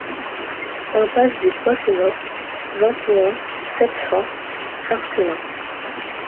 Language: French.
Impasse des Poissenottes, vingt et un, sept cents Arcenant